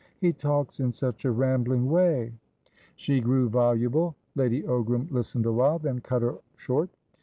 He talks in such a rambling way" She grew voluble. Lady Ogram listened awhile, then cut her short.